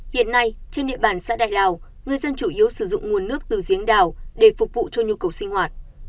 hiện nay trên địa bàn xã đại lào người dân chủ yếu sử dụng nguồn nước từ giếng đào để phục vụ cho nhu cầu sinh hoạt